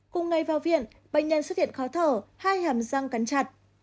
cùng ngày vào viện bệnh nhân xuất hiện khó thở hai hàm răng cắn chặt